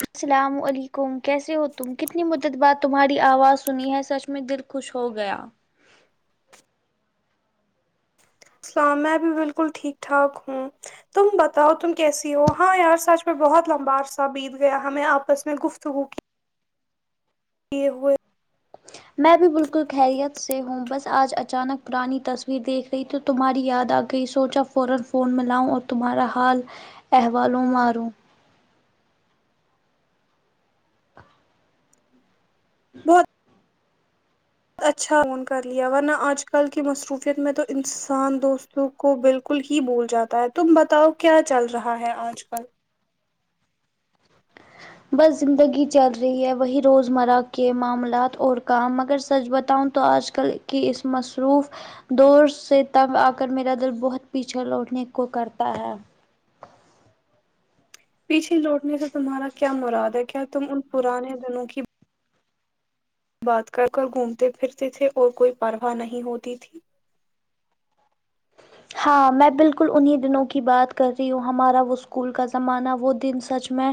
السلام علیکم کیسے ہو تم کتنی مدت بات تمہاری آواز سنی ہے سچ میں دل خوش ہو گیا سلام میں بھی بالکل ٹھیک ٹھاک ہوں تم بتاؤ تم کیسی ہو ہاں یار سچ میں بہت لمبا عرصہ بیت گیا ہمیں آپس میں گفتگو کی یہ ہو میں بھی بالکل خیریت سے ہوں بس آج اچانک پرانی تصویر دیکھ لی تو تمہاری یاد آ گئی سوچا فورا فون میں لاؤں اور تمہارا حال اہوالوں ماروں ہد بہت اچھا فون کر لیا ورنہ آج کل کی مصروفیت میں تو انسان دوستوں کو بالکل ہی بھول جاتا ہے تم بتاؤ کیا چل رہا ہے آج کل بس زندگی چل رہی ہے وہی روزمرہ کے معاملات اور کام مگر سچ بتاؤں تو آج کل کی اس مصروف دور سے تب آ کر میرا دل بہت پیچھا لوٹنے کو کرتا ہے پیچھے لوٹنے سے تمہارا کیا مراد ہے کیا تم ان پرانے دنوں کی بات کر کر گھومتے پھرتے تھے اور کوئی پرواہ نہیں ہوتی تھی ہاں میں بالکل انہیں دنوں کی بات کر رہی ہوں ہمارا وہ اسکول کا زمانہ وہ دن سچ میں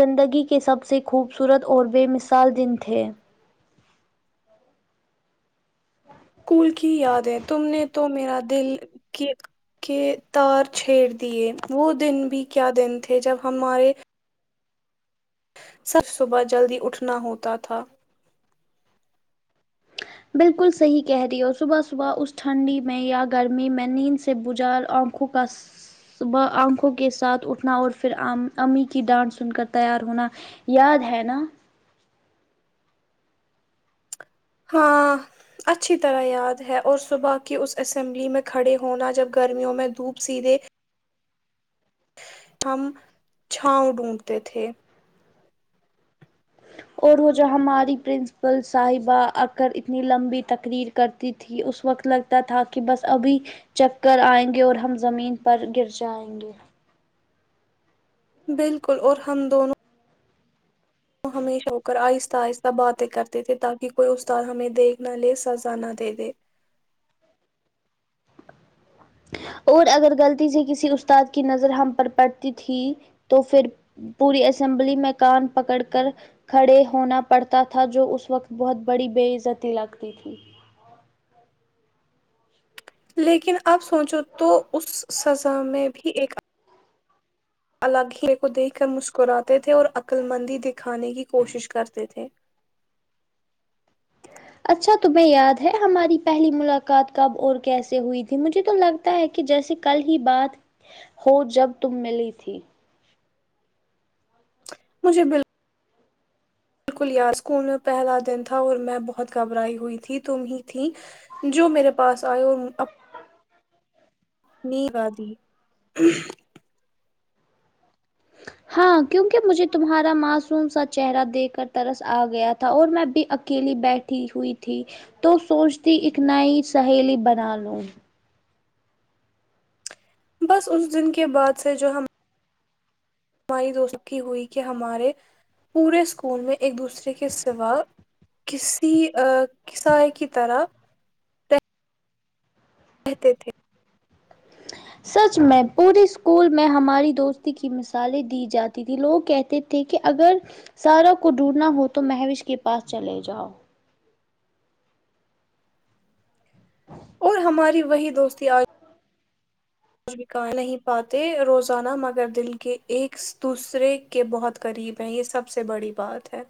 زندگی کے سب سے خوبصورت اور بے مثال دن تھے ہاں اسکول کی یاد ہے تم نے تو میرا دل کی کے تار چھیڑ دیے وہ دن بھی کیا دن تھے جب ہمارے صرف صبح جلدی اٹھنا ہوتا تھا بالکل صحیح کہہ رہی ہو صبح صبح اس ٹھنڈی میں یا گرمی میں نیند سے بجال آنکھوں بس صبح آنکھوں کے ساتھ اٹھنا اور پھر امی کی ڈانڈ سن کر تیار ہونا یاد ہے نا ہاں اچھی طرح یاد ہے اور صبح کی اس اسمبلی میں کھڑے ہونا جب گرمیوں میں دھوپ سیدھے ہم چھاؤ ڈھونڈتے تھے اور وہ جو ہماری پرنسپل صاحبہ آ کر اتنی لمبی تقریر کرتی تھی اس وقت لگتا تھا کہ بس ابھی چکر آئیں گے اور ہم زمین پر گر جائیں گے بالکل اور ہم دونوں وہ ہمیشہ ہو کر آہستہ آہستہ باتیں کرتے تھے تاکہ کوئی استاد ہمیں دیکھ نہ لے سزا نہ دے دے اور اگر غلطی سے کسی استاد کی نظر ہم پر پڑتی تھی تو پھر پوری اسمبلی میں کان پکڑ کر کھڑے ہونا پڑتا تھا جو اس وقت بہت بڑی بیزاتی لگتی تھی لیکن آپ سوچو تو اس سزا میں بھی ایک الگ ہی کو دیکھ کر مسکراتے تھے اور عقلمندی دکھانے کی کوشش کرتے تھے اچھا تمہیں یاد ہے ہماری پہلی ملاقات کب اور کیسے ہوئی تھی مجھے تو لگتا ہے کہ جیسے کل ہی بات ہو جب تم ملی تھی مجھ بالکل بالکل یاد اسکول میں پہلا دن تھا اور میں بہت گھبرائی ہوئی تھی تم ہی تھی جو میرے پاس آئے اور [unintelligible] ہاں کیونکہ مجھے تمہارا معصوم سا چہرہ دیکھ کر ترس آ گیا تھا اور میں بھی اکیلی بیٹھ ہوئی تھی تو سوچتی ایک نئ سہیلی بنا لوں بس اس دن کے بعد سے جو ہم ہوئی کہ ہمارے پورے اسکول میں ایک دوسرے کے سوا کسی کسائے کی طرح کہتے تھے سچ میں پورے اسکول میں ہماری دوستی کی مثالیں دی جاتی تیں لوگ کہتے تھے کہ اگر سارا کو ڈڈنا ہو تو محوش کے پاس چلے جاؤ اور ہماری وہی دوستی آج بھی ک نہیں پاتے روزانہ مگر دل کے ایک دوسرے کہ بہت قریب ہیں یہ سب سے بڑی بات ہے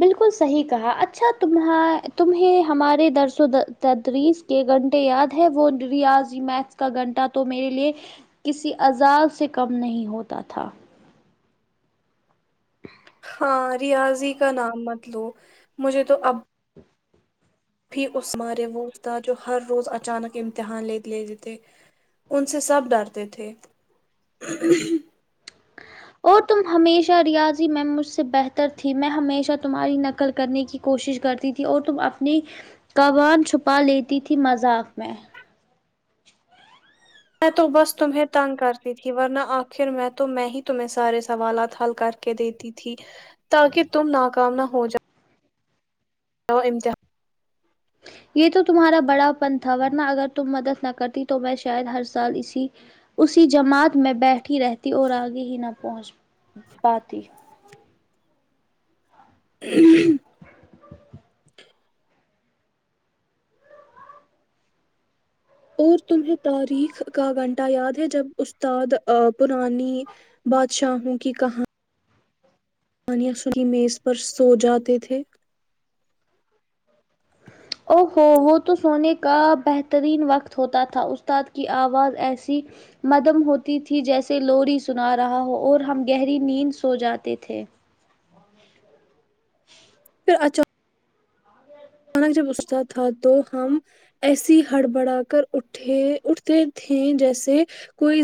بالکل صحیح کہا اچھا تم تمیں ہمارے درس تدریس کے گھنٹے یاد ہے وہ ریاضی میگز کا گھنٹہ تو میرے لیے کسی عزاب سے کم نہیں ہوتا تھا ہاں ریاضی کا نام مت لو مجھے تو اب اس مارے وہ تھا جو ہر روز اچانک امتحانے لے لیتے ان سے سب ڈرتے تھے اور تم ہمیشہ ریاضی میں مجھ سے بہتر تھی میں ہمیشہ تمہاری نقل کرنے کی کوشش کرتی تھی اور تم اپنی قبان چھپا لیتی تھی مذاق میں میں تو بس تمہیں تنگ کرتی تھی ورنہ آخر میں تو میں ہی تمہیں سارے سوالات حل کر کے دیتی تھی تاکہ تم ناکام نہ ہو جا امتحان یہ تو تمہارا بڑا پن تھا ورنہ اگر تم مدد نہ کرتی تو میں شاید ہر سال اسی اسی جماعت میں بیٹھی رہتی اور آگے ہی نہ پہنچ پاتی اور تمہیں تاریخ کا گھنٹہ یاد ہے جب استاد پرانی بادشاہ ہوں کی کہاں پانی اسو کی میز پر سو جاتے تھے او ہوو ہو تو سونے کا بہترین وقت ہوتا تھا استاد کی آواز ایسی مدم ہوتی تھی جیسے لوری سنا رہا ہو اور ہم گہری نیند سو جاتے تھے اچھا اچانک جب استاد تھا تو ہم ایسی ہڑبڑا کر اٹھے اٹھتے تھے جیسے کوئی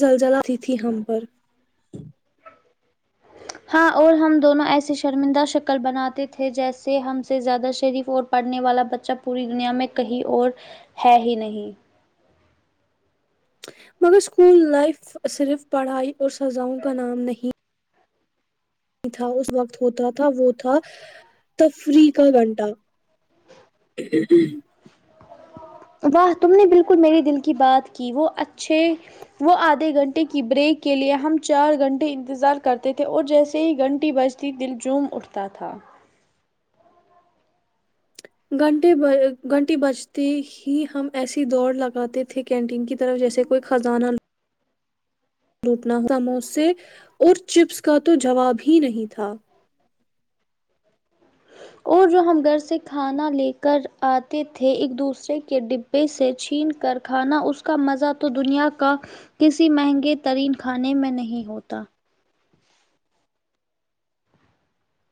زلزلہ اتی تھی ہم پر ہاں اور ہم دونوں ایسی شرمندہ شکل بناتے تھے جیسے ہم سے زیادہ شریف اور پڑھنے والا بچہ پوری دنیا میں کہیں اور ہے ہی نہیں مگر اسکول لائف صرف پڑھائی اور سزاؤں کا نام نہیں تھا اس وقت ہوتا تھا وہ تھا تفریح کا گھنٹہ واہ تم نے بالکل میرے دل کی بات کی وہ اچھے وہ آدھے گھنٹے کی بریک کے لیے ہم چار گھنٹے انتظار کرتے تھے اور جیسے ہی گھنٹی بج تی دلجوم اٹھتا تھا گھنٹے ب گھنٹے بجتے ہی ہم ایسی دوڑ لگاتے تھے کینٹین کی طرف جیسے کوئی خزانہ لوٹنا ہوتا سموسے اور چپس کا تو جواب ہی نہیں تھا ہمیشہ اور جو ہم گھر سے کھانا لے کر آتے تھے ایک دوسرے کے پڈبے سے چھین کر کھانا اس کا مزہ تو دنیا کا کسی مہنگے ترین کھانے میں نہیں ہوتا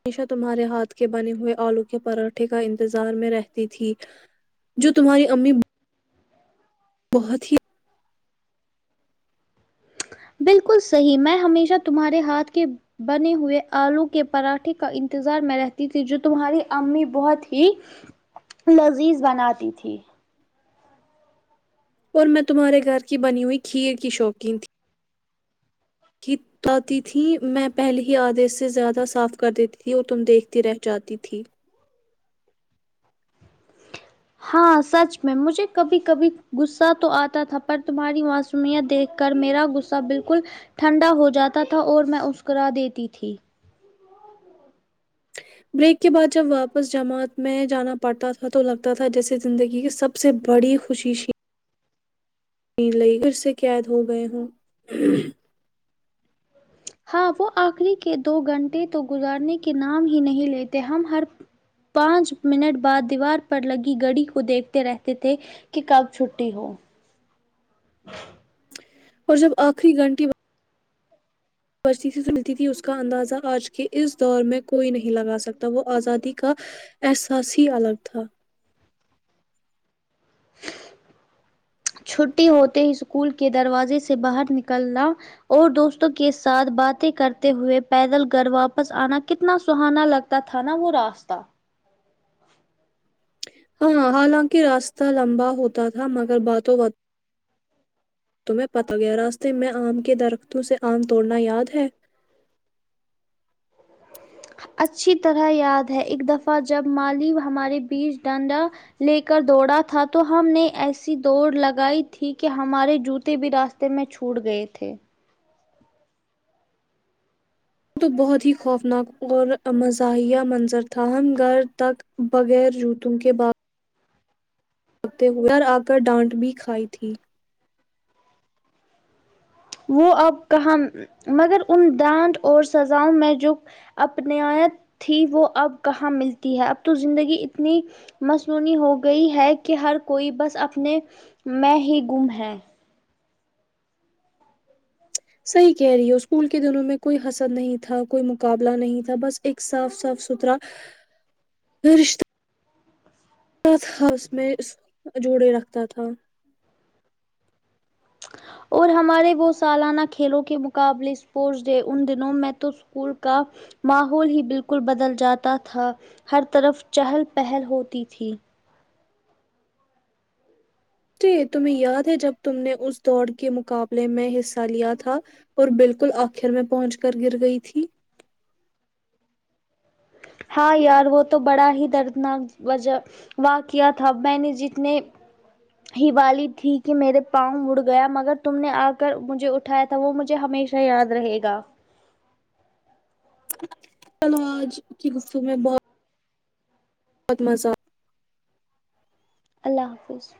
ہمیشہ تمہارے ہاتھ کے بنے ہوئے آلو کے پراٹھے کا انتظار میں رہتی تھی جو تمہاری امی بہت ہی بالکل صحیح میں ہمیشہ تمہارے ہاتھ کے بنے ہوئے آلو کے پراٹھے کا انتظار میں رہتی تھی جو تمہاری امی بہت ہی لذیذ بناتی تھی اور میں تمہارے گھر کی بنی ہوئی کھیر کی شوقین تھی کی تاتی تھیں میں پہلے ہی آدھے سے زیادہ صاف کر دیتی تھی اور تم دیکھتی رہ جاتی تھی ہاں سچ میں مجھے کبھی کبھی گسسا تو آتا تھا پر تمہاری وہ دیکھ کر میرا غصہ بالکل ٹھنڈا ہو جاتا تھا اور میں مسکرا دیتی تھی بریک کے بعد جب واپس جماعت میں جانا پڑتا تھا تو لگتا تھا جیسے زندگی کے سب سب سے بڑی خوشیشی پھر سے قید ہو گئے ہوں ہاں وہ آخری کے دو گھنٹے تو گزارنے کے نام ہی نہیں لیتے ہم ہر پانچ منٹ بعد دیوار پر لگ گڑی کو دیکھتے رہتے تھے کہ کب چھٹی ہو اور جب آخری گھنٹی پرست سے ملتی تھی اس کا اندازہ آج کے اس دور میں کوئی نہیں لگا سکتا وہ آزادی کا احساس ہی الگ تھا چھٹی ہوتے ہی اسکول کے دروازے سے باہر نکلنا اور دوستوں کے ساتھ باتیں کرتے ہوئے پیدل گھر واپس آنا کتنا سہانا لگتا تا تھا نا وہ راستہ ہاں حالانکہ راستہ لمبا ہوتا تھا مگر باتوں باتوں تمہیں پتا گیا راستے میں آم کے درختوں سے آم توڑنا یاد ہے اچھی طرح یاد ہے ایک دفعہ جب مالی ہمارے بیچ ڈانڈا لے کر دوڑا تھا تو ہم نے ایسی دوڑ لگائی تھی کہ ہمارے جوتے بھی راست تے میں چھوٹ گئے تھے تو بہت ہی خوفناک اور مزاحیہ منظر تھا ہم گھر تک بغیر جوتوں کے باپ ہو گھر آ کر ڈانٹ بھی کھائی تھی وہ اب کہاں مگر ان ڈانت اور سزاؤں میں جو اپنائیت تھی وہ اب کہاں ملتی ہے اب تو زندگی اتنی مصنوعی ہو گئی ہے کہ ہر کوئی بس اپنے میں ہی گم ہے صحیح کہہ رہی ہو اسکول کے دنوں میں کوئی حسد نہیں تھا کوئی مقابلہ نہیں تھا بس ایک صاف صاف ستھرا ٹورسٹ سھ ہاؤس میں جوڑے رکھتا تھا اور ہمارے وہ سالانہ کھیلوں کے مقابلے اسپورٹس ڈے ان دنوں میں تو اسکول کا ماحول ہی بالکل بدل جاتا تھا ہر طرف چہل پہل ہوتی تھی جی تمہیں یاد ہے جب تم نے اس دوڑ کے مقابلے میں حصہ لیا تھا اور بالکل آخر میں پہنچ کر گر گئی تھی ہاں یار وہ تو بڑا ہی دردناک وجہ واقعہ تھا میں نے جتنے ہی والی تھی کہ میرے پاؤں مڑ گیا مگر تم نے آ کر مجھے اٹھ اٹھایا تھا وہ مجھے ہمیشہ یاد رہے گا چلو آج کی گفتگو میں بہت بہت مزہ اللہ حافظ